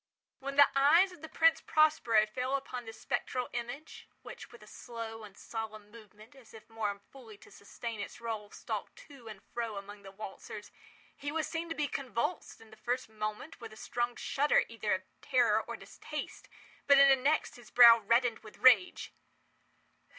When the eyes of the Prince Prospero fell upon this spectral image (which, with a slow and solemn movement, as if more fully to sustain its role, stalked to and fro among the waltzers) he was seen to be convulsed, in the first moment with a strong shudder either of terror or distaste; but, in the next, his brow reddened with rage.